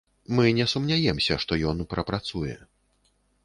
Мы не сумняемся, што ён прапрацуе.